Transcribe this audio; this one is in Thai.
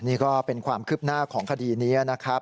นี่ก็เป็นความคืบหน้าของคดีนี้นะครับ